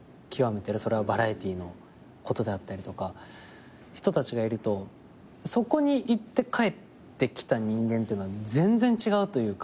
それはバラエティーのことであったりとか人たちがいるとそこに行って帰ってきた人間っていうのは全然違うというか。